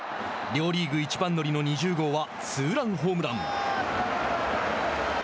両リーグ一番乗りの２０号はツーランホームラン。